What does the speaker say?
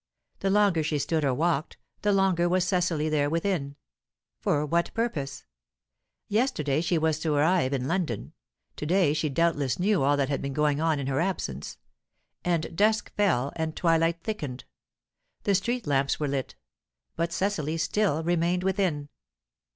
The longer she stood or walked, the longer was Cecily there within. For what purpose? Yesterday she was to arrive in London; to day she doubtless knew all that had been going on in her absence. And dusk fell, and twilight thickened. The street lamps were lit. But Cecily still remained within.